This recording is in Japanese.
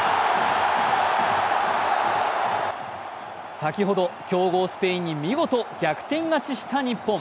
先ほど、強豪・スペインに見事逆転勝ちした日本。